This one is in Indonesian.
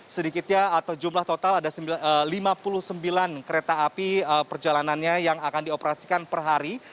sedikitnya atau jumlah total ada lima puluh sembilan kereta api perjalanannya yang akan dioperasikan per hari